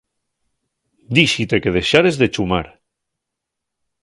Díxite que dexares de chumar.